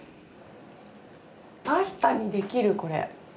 パスタにできるこれ！